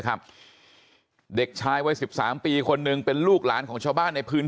ครับเด็กชายวัย๑๓ปีคนหนึ่งเป็นลูกหลานของชาวบ้านในพื้น